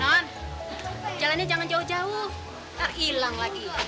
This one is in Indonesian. non jalannya jangan jauh jauh ah hilang lagi